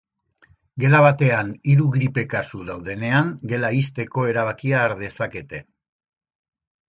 Gela batetan hiru gripe kasu daudenean, gela ixteko erabakia har dezakete.